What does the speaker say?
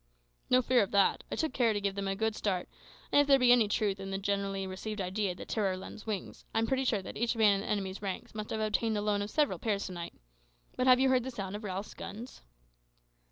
"No fear of that. I took care to give them a good start, and if there be any truth in the generally received idea that terror lends wings, I'm pretty sure that each man in the enemy's ranks must have obtained the loan of several pairs to night. But have you heard the sound of Ralph's guns?"